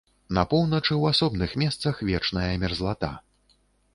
На поўначы ў асобных месцах вечная мерзлата.